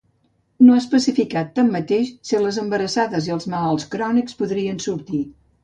No ha especificat, tanmateix, si les embarassades i els malalts crònics podrien sortir.